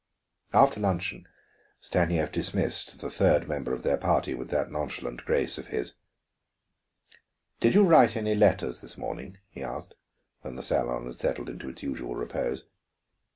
After luncheon Stanief dismissed the third member of their party with that nonchalant grace of his. "Did you write any letters this morning?" he asked, when the salon had settled into its usual repose.